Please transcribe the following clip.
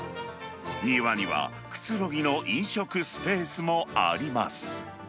庭にはくつろぎの飲食スペースもあります。